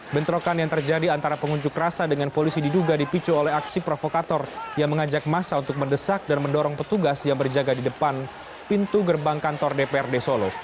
bentrokan yang terjadi antara pengunjuk rasa dengan polisi diduga dipicu oleh aksi provokator yang mengajak massa untuk mendesak dan mendorong petugas yang berjaga di depan pintu gerbang kantor dprd solo